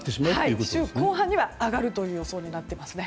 後半には上がる予想になっていますね。